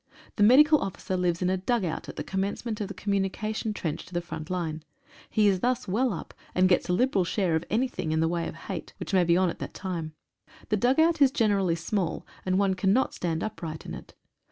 The medical officer lives in a dugout at the commencement of the communication trench to the front line. He is thus well up, and gets a liberal share of anything in the way of hate, which may be on at that time. The dugout is generally small, and one cannot stand upright in it.